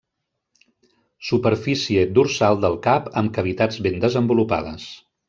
Superfície dorsal del cap amb cavitats ben desenvolupades.